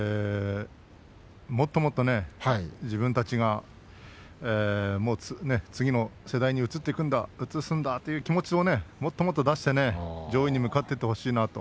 もっともっと自分たちが次の世代に移っていくんだ移すんだという気持ちをもっともっと出して上位に向かっていってほしいなと。